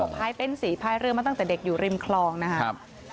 พายเป็นสีพายเรือมาตั้งแต่เด็กอยู่ริมคลองนะครับ